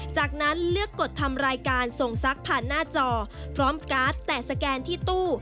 จากนั้นเลือกกดทำรายการส่งซักผ่านหน้าจอพร้อมการ์ดแตะสแกนที่ตู้